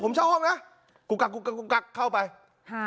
ผมชอบนะกุกกกกกุกกกกุกกกเข้าไปฮะ